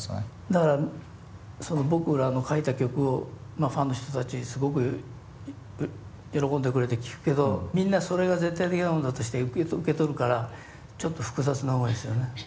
だから僕らの書いた曲をファンの人たちすごく喜んでくれて聴くけどみんなそれが絶対的なもんだとして受け取るからちょっと複雑な思いですよね。